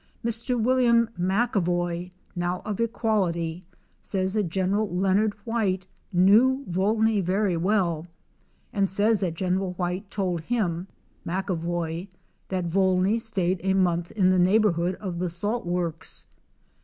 Mr. Wm. MoAvoy, now of Equality, says that Gren. Leonard Wi ite knew Vol ney very well and says that General White told him (McAvoy) that Volney stayed a month in the neighborhood of the salt works.